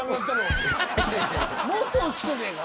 もっと落ちてねえか？